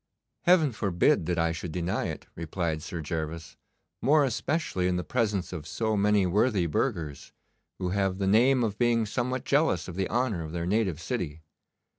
'Heaven forbid that I should deny it,' replied Sir Gervas, 'more especially in the presence of so many worthy burghers, who have the name of being somewhat jealous of the honour of their native city.